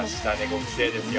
５期生ですよ